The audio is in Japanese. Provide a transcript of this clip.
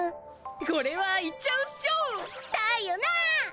これは行っちゃうっしょ！だよなぁ！